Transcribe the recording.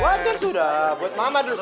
wajar sudah buat mama dulu